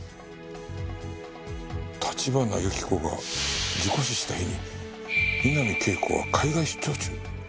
立花由紀子が事故死した日に三波圭子は海外出張中。